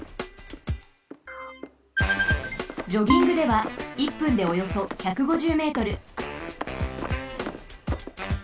ジョギングでは１分でおよそ１５０ｍ。